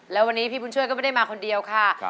แล้ววันนี้พี่บุญช่วยก็ไม่ได้มาคนเดียวค่ะ